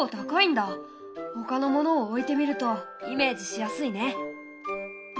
ほかのものを置いてみるとイメージしやすいね！